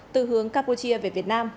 từ hướng campuchia về việt nam